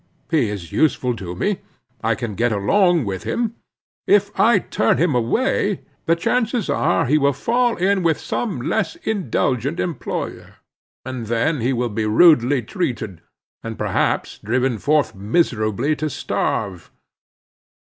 He is useful to me. I can get along with him. If I turn him away, the chances are he will fall in with some less indulgent employer, and then he will be rudely treated, and perhaps driven forth miserably to starve.